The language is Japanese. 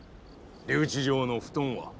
留置場の布団は。